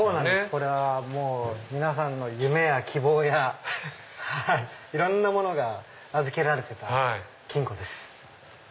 これは皆さんの夢や希望やいろんなものが預けられてた金庫です。